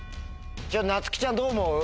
なつきちゃんどう思う？